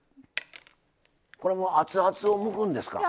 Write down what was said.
これは熱々をむくんですか？